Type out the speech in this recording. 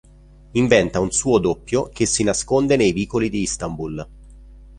Inventa un suo doppio che si nasconde nei vicoli di Istanbul.